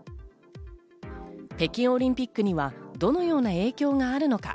北京オリンピックにはどのような影響があるのか。